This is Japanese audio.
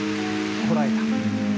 こらえた。